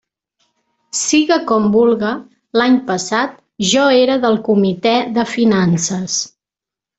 Siga com vulga, l'any passat jo era del Comitè de Finances.